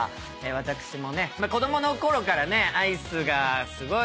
私もね子供のころからアイスがすごい好きで。